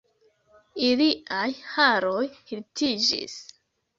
Iliaj haroj hirtiĝis.